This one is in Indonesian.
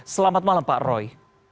selamat malam pak roy